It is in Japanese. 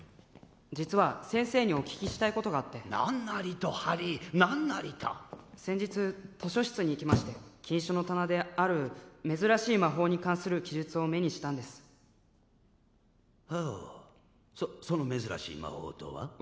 実は先生にお聞きしたいことがあって何なりとハリー何なりと先日図書室に行きまして禁書の棚である珍しい魔法に関する記述を目にしたんですほうその珍しい魔法とは？